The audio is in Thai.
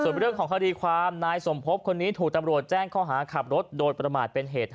ส่วนเรื่องของคดีความนายสมพบคนนี้ถูกตำรวจแจ้งข้อหาขับรถโดยประมาทเป็นเหตุ